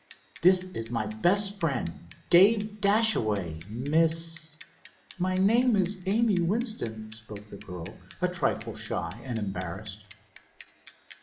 "This is my best friend, Dave Dashaway, Miss——" "My name is Amy Winston," spoke the girl, a trifle shy and embarrassed.